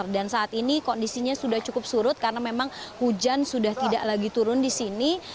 dan saat ini kondisinya sudah cukup surut karena memang hujan sudah tidak lagi turun di sini